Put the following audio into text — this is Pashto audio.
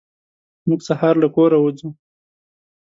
موږ سهار له کوره وځو.